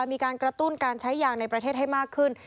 มีการกระตุ้นการใช้ยางในประเทศให้มากขึ้น